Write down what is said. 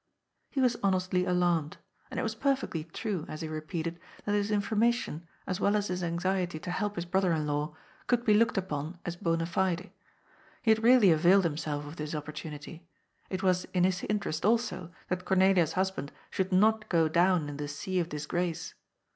He was honestly alarmed. And it was perfectly true. THE POWER OF ATTORNEY. 321 as he repeated, that his information, as well as his anxiety to help his brother in law, could be looked upon asbon& Me. He had really availed himself of this opportunity. It was in his interest also that Cornelia's husband should not go down in the sea of disgrace.